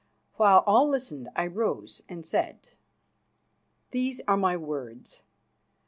While all listened I rose and said: "These are my words.